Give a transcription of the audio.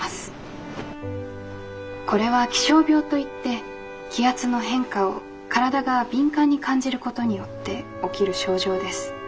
これは気象病といって気圧の変化を体が敏感に感じることによって起きる症状です。